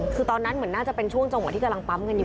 คือตอนนั้นเหมือนน่าจะเป็นช่วงจังหวะที่กำลังปั๊มกันอยู่